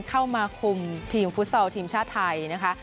เข้ามาคุมทีมฟุตซอลทีมชาติไทยนะคะ